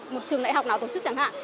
một trường đại học nào tổ chức chẳng hạn